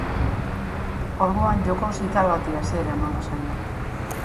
Orduan joko zital bati hasiera emango zaio.